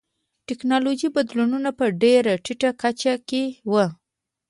ټکنالوژیکي بدلونونه په ډېره ټیټه کچه کې و